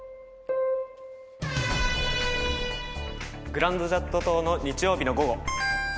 『グランド・ジャット島の日曜日の午後』。